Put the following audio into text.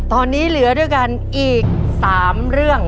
ตอนนี้เหลือด้วยกันอีก๓เรื่อง